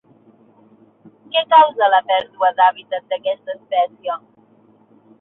Què causa la pèrdua d'habitat d'aquesta espècie?